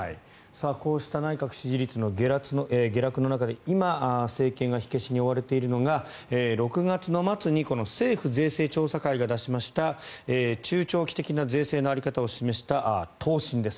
こうした内閣支持率の下落の中で今、政権が火消しに追われているのが６月の末に政府税制調査会が出しました中長期的な税制の在り方を示した答申です。